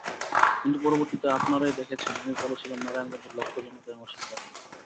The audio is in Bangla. কিন্তু পরবর্তীতে আপনারাই দেখেছেন, আমি বলেছিলাম নারায়ণগঞ্জের লক্ষ জনতাই আমার সেনাবাহিনী।